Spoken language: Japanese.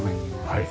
はい。